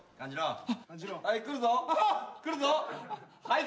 はい。